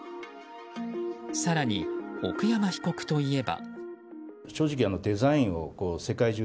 更に、奥山被告といえば。